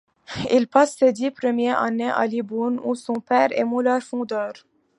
Il passe ses dix premières années à Libourne, où son père est mouleur-fondeur.